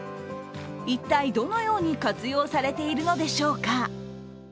一体どのように活用されているのでしょうか。